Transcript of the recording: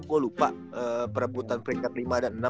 gue lupa perebutan peringkat lima dan enam